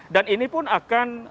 dan ini pun artinya